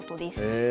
へえ。